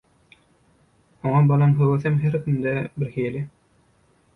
Oňa bolan höwesem her kimde birhili.